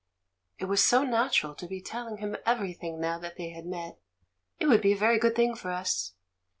It was so natural to be telling him everything now they had met. "It would be a very good thing for us."